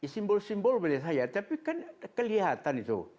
simbol simbol menurut saya tapi kan kelihatan itu